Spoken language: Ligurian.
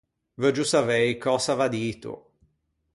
Veuggio savei cös’a va dito.